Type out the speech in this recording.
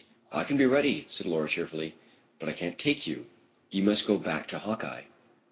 "I can be ready," said Laura, cheerfully. "But I can't take you. You must go back to Hawkeye."